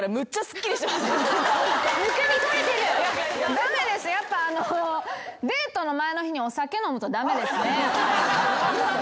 駄目ですやっぱデートの前の日にお酒飲むと駄目ですね。